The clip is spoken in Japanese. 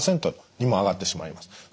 ９％にも上がってしまいます。